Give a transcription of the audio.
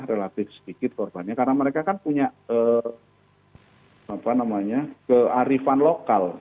relatif sedikit korbannya karena mereka kan punya kearifan lokal